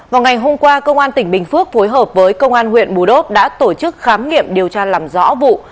vào ngày hôm qua công an tỉnh bình phước phối hợp với công an huyện bù đốp đã tổ chức khám nghiệm điều tra làm rõ vụ